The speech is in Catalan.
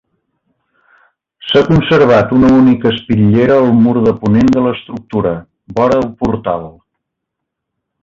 S'ha conservat una única espitllera al mur de ponent de l'estructura, vora el portal.